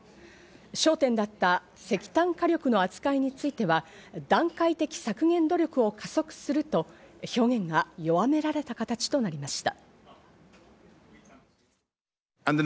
焦点だった石炭火力の扱いについては、段階的削減努力を加速するとの表現が弱められた形となりました。